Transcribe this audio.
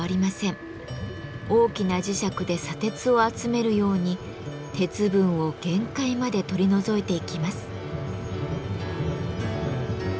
大きな磁石で砂鉄を集めるように鉄分を限界まで取り除いていきます。